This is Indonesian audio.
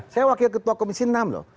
saya wakil ketua komisi enam loh